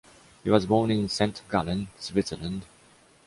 He was born in St. Gallen, Switzerland.